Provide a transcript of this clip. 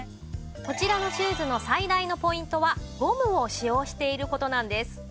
こちらのシューズの最大のポイントはゴムを使用している事なんです。